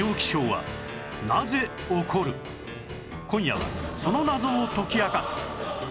今夜はその謎を解き明かす